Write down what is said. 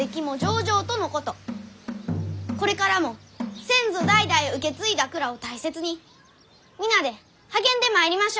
これからも先祖代々受け継いだ蔵を大切に皆で励んでまいりましょう。